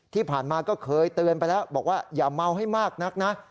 ที่ผ่านมาก็เคยเตือนไปแล้วบอกว่าอย่าเมาให้มากนักนะ